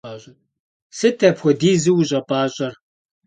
Sıt apxuedizu vuş'epaş'er?